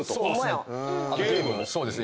そうですね。